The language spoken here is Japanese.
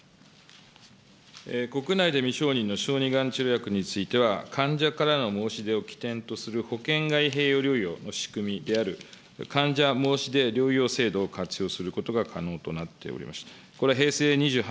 国内で未承認の小児がん治療薬については、患者からの申し出を起点とする保険外へいようりょうようの仕組みである患者申出療養制度を活用することが可能となっております。